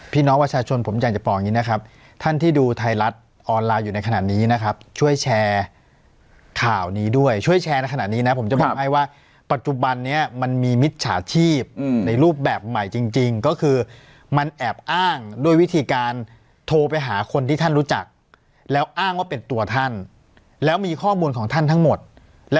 พี่น้องประชาชนผมอยากจะบอกอย่างนี้นะครับท่านที่ดูไทยรัฐออนไลน์อยู่ในขณะนี้นะครับช่วยแชร์ข่าวนี้ด้วยช่วยแชร์ในขณะนี้นะผมจะบอกให้ว่าปัจจุบันนี้มันมีมิจฉาชีพในรูปแบบใหม่จริงก็คือมันแอบอ้างด้วยวิธีการโทรไปหาคนที่ท่านรู้จักแล้วอ้างว่าเป็นตัวท่านแล้วมีข้อมูลของท่านทั้งหมดและ